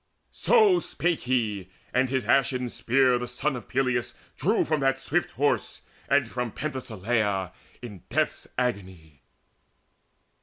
So spake he, and his ashen spear the son Of Peleus drew from that swift horse, and from Penthesileia in death's agony.